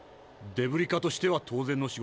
デブリ課としては当然の仕事かと。